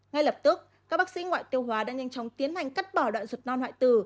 ngay lập tức các bác sĩ ngoại tiêu hóa đã nhanh chóng tiến hành cắt bỏ đoạn ruột non hoại tử